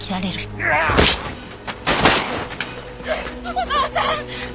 お父さん！